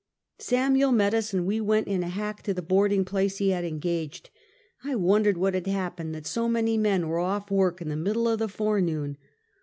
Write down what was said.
Samuel met us, and as we went in a hack to the boarding place he had engaged. I wondered what had happened that so many men were off work in the middle of the forenoon.